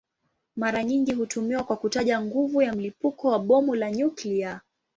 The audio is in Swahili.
Mara nyingi hutumiwa kwa kutaja nguvu ya mlipuko wa bomu la nyuklia.